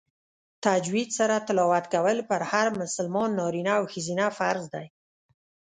تجوید سره تلاوت کول په هر مسلمان نارینه او ښځینه فرض دی